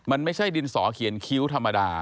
มันไม่ใช่ดินสอเขียนคิ้วธรรมดา